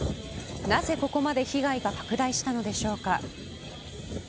なぜここまで被害が拡大したのでしょうか。